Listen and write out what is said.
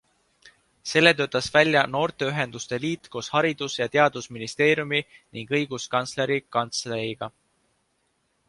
Selle töötas välja noorteühenduste liit koos haridus- ja teadusministeeriumi ning õiguskantsleri kantseleiga.